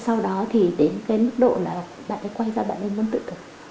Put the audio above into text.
sau đó thì đến cái mức độ là bạn ấy quay ra bạn ấy muốn tự thực